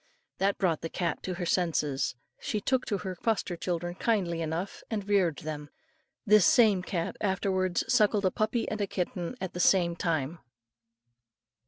That brought the cat to her senses; and she took to her foster children kindly enough and reared them. This same cat afterwards suckled a puppy and kitten at the same time.